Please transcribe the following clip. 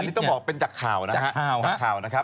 อันนี้ต้องบอกเป็นจากข่าวนะครับ